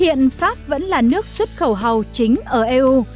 hiện pháp vẫn là nước xuất khẩu hầu chính ở eu